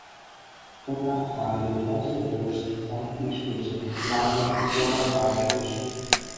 Kota Marudu also boasts Southeast Asia's largest solar power station.